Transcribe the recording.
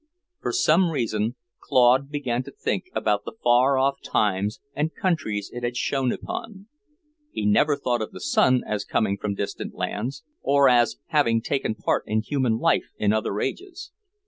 For some reason, Claude began to think about the far off times and countries it had shone upon. He never thought of the sun as coming from distant lands, or as having taken part in human life in other ages.